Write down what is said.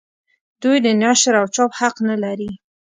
دوی د نشر او چاپ حق نه لري.